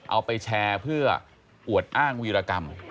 เอาไปแชร์เพื่ออวดอ้างวีรกรรม